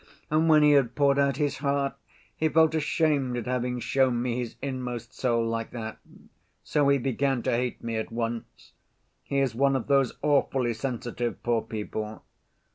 And when he had poured out his heart, he felt ashamed at having shown me his inmost soul like that. So he began to hate me at once. He is one of those awfully sensitive poor people.